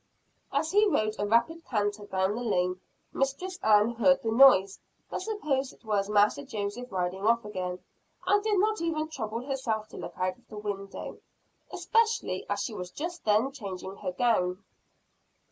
As he rode at a rapid canter down the lane, Mistress Ann heard the noise, but supposed it was Master Joseph riding off again, and did not even trouble herself to look out of the window, especially as she was just then changing her gown.